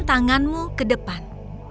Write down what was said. tanganmu ke depan